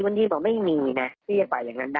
พื้นที่ผมไม่มีนะที่จะไปอย่างนั้นได้